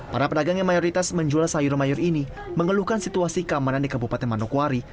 para pedagang yang mayoritas menjual sayur mayur ini mengeluhkan situasi keamanan di kabupaten manokwari